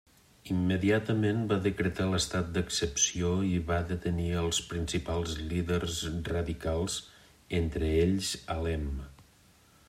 Immediatament va decretar l'estat d'excepció i va detenir als principals líders radicals, entre ells Alem.